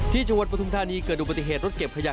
ที่จังหวัดประธุมธานีเกิดดูปฏิเหตุรถเก็บขยะ